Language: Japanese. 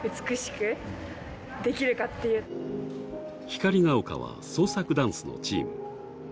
光ヶ丘は創作ダンスのチーム。